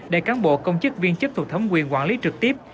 đại cán bộ công chức viên chức thuộc thống quyền quản lý trực tiếp